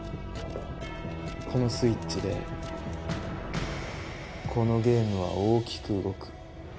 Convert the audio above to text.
このスイッチでこのゲームは大きく動く。